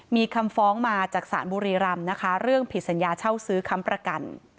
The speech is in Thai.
มีคำฟ้องมาจากศาลบุรีรำนะคะเรื่องผิดสัญญาเช่าซื้อค้ำประกัน